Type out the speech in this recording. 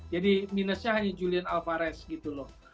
jadi minusnya hanya julian alvarez gitu loh